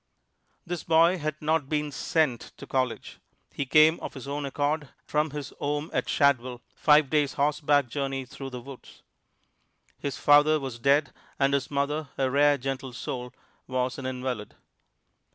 This boy had not been "sent" to college. He came of his own accord from his home at Shadwell, five days' horseback journey through the woods. His father was dead, and his mother, a rare gentle soul, was an invalid.